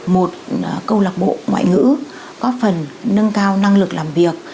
một câu lạc bộ ngoại ngữ có phần nâng cao năng lực làm việc